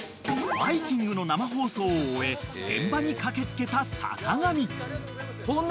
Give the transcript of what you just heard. ［『バイキング』の生放送を終え現場に駆け付けた坂上］